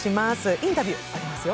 インタビューありますよ。